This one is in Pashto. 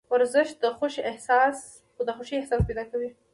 ورزش د خوښې احساس پیدا کوي.